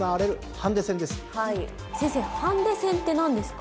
ハンデ戦って何ですか？